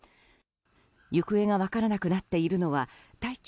行方が分からなくなっているのは体長